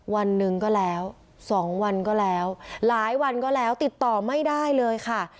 วันหนึ่งก็แล้ว๒วันก็แล้วหลายวันก็แล้วติดต่อไม่ได้เลยค่ะ